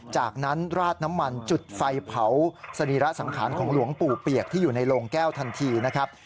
จากนั้นราดน้ำมันจุดไฟเผาสรีระสังขารของหลวงปู่เปียกที่อยู่ในโรงแก้วทันทีนะครับ